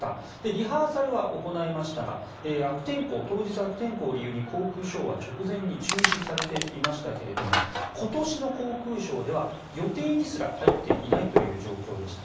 リハーサルは行いましたが当日、悪天候を理由に航空ショーは直前に中止されていましたが今年の航空ショーでは予定にすら入っていないという状況でした。